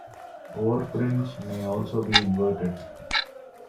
Overprints may also be inverted.